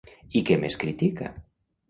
I què més critica?